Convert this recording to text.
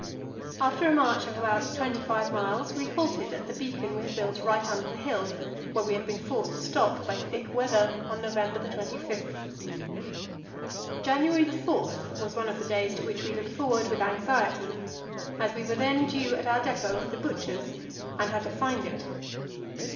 After a march of about twenty five miles we halted at the beacon we had built right under the hill, where we had been forced to stop by thick weather on November 25. January 4 was one of the days to which we looked forward with anxiety, as we were then due at our depot at the Butcher's, and had to find it.